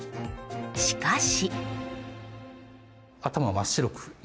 しかし。